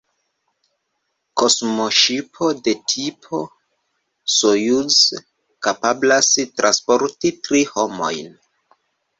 Kosmoŝipo de tipo Sojuz kapablas transporti tri homojn.